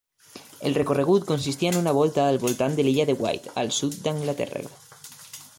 El recorregut consistia en una volta al voltant de l'Illa de Wight, al sud d'Anglaterra.